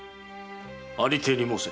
ありていに申せ。